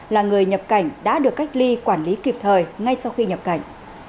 là người nhập cảnh đã được cách ly quản lý kịp thời ngay sau khi nhập cảnh